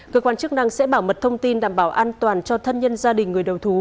cơ quan chức năng sẽ bảo mật thông tin đảm bảo an toàn cho thân nhân gia đình người đầu thú